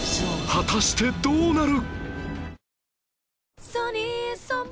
果たしてどうなる？